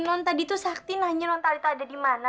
non tadi tuh sakti nanya nontalita ada di mana